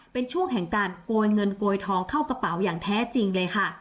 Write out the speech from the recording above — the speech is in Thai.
เป็นช่วงแห่งการโกยเงินโกยทองเข้ากระเป๋าอย่างแท้จริงเลยค่ะ